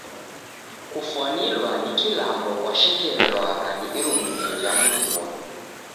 Kufwanilwa ni kilambo kwashekerelwagha ni irumirio ja mndu moni.